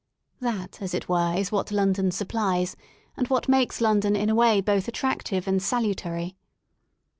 That, as it were, is what London supplies, and what makes London in a way both attractive and salutary.